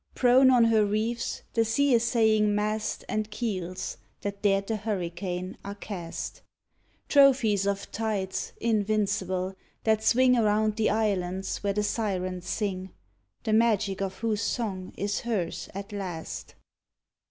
Prone on her reefs the sea essaying mast And keels that dared the hurricane are cast — Trophies of tides invincible that swing Around the islands where the Sirens sing. The magic of whose song is hers at last.